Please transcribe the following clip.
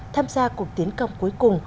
tham gia cuộc tiến công cuối cùng